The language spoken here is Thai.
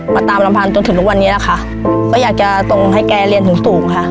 ตามลำพังจนถึงทุกวันนี้แหละค่ะก็อยากจะส่งให้แกเรียนสูงสูงค่ะ